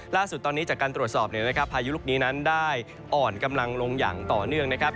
ล่าสุดตอนนี้จากการตรวจสอบพายุลูกนี้นั้นได้อ่อนกำลังลงอย่างต่อเนื่องนะครับ